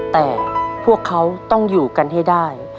แต่พวกเขาต้องอยู่กันให้ได้